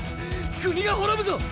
国が滅ぶぞ！